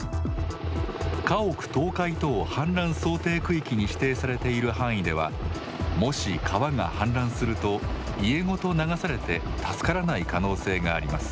家屋倒壊等氾濫想定区域に指定されている範囲では、もし川が氾濫すると家ごと流されて助からない可能性があります。